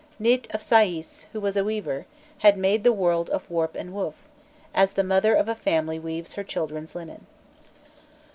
Nît of Saïs, who was a weaver, had made the world of warp and woof, as the mother of a family weaves her children's linen.